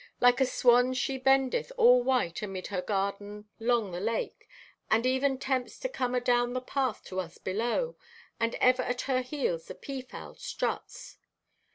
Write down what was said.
Like a swan she bendeth, all white, amid her garden 'long the lake, and even 'tempts to come adown the path to us below. And ever at her heels the pea fowl struts.